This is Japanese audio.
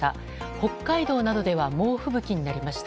北海道などでは猛吹雪になりました。